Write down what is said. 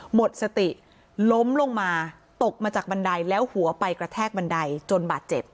หมดสติล้มลงมาตกมาจากบันไดแล้วหัวไปกระแทกบันไดจนบาดเจ็บ